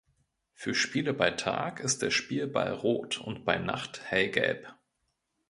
Für Spiele bei Tag ist der Spielball rot und bei Nacht hellgelb.